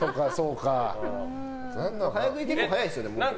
早食い、結構早いですよ。